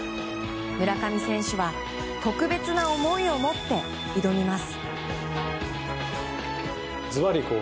村上選手は特別な思いを持って挑みます。